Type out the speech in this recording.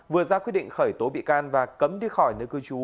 vừa ra quyết định khởi tố bị can và cấm đi khỏi nơi cư trú